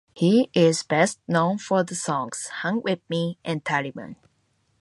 He is best known for the songs "Hang Wit Me" and "Taliban".